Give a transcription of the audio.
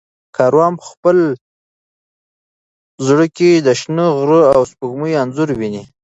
کاروان په خپل زړه کې د شنه غره او سپوږمۍ انځور ویني.